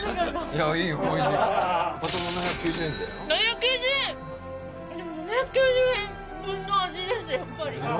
やっぱり。